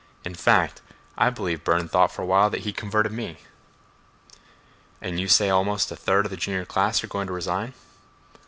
In fact, I believe Burne thought for a while that he'd converted me." "And you say almost a third of the junior class are going to resign?"